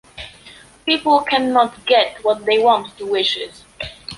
People cannot get what they want through wishes.